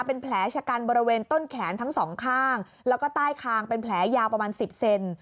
เป็นแผลชะกันบริเวณต้นแขนทั้งสองข้างแล้วก็ใต้คางเป็นแผลยาวประมาณ๑๐เซน